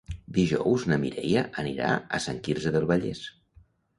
Dijous na Mireia anirà a Sant Quirze del Vallès.